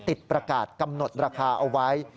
ติดประกาศกำหนดราคาเอาไว้